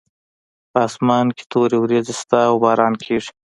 په اسمان کې تورې وریځې شته او باران کیږي